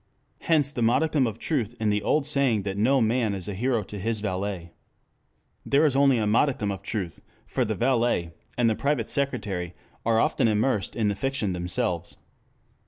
Hence the modicum of truth in the old saying that no man is a hero to his valet. There is only a modicum of truth, for the valet, and the private secretary, are often immersed in the fiction themselves.